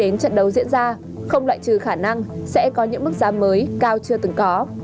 đến trận đấu diễn ra không loại trừ khả năng sẽ có những mức giá mới cao chưa từng có